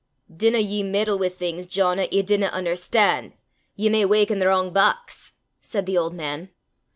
"Dinna ye meddle wi' things, John, 'at ye dinna un'erstan'; ye may wauk i' the wrang box!" said the old man.